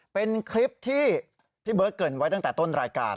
เป็นคลิปที่พี่เบิร์ตเกิดไว้ตั้งแต่ต้นรายการ